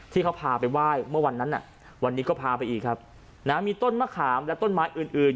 ที่เขาพาไปไหว้เมื่อวันนั้นวันนี้ก็พาไปอีกครับนะมีต้นมะขามและต้นไม้อื่นอื่น